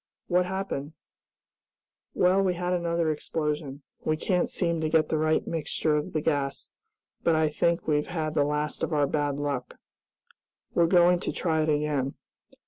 "What happened?" "Well, we had another explosion. We can't seem to get the right mixture of the gas, but I think we've had the last of our bad luck. We're going to try it again.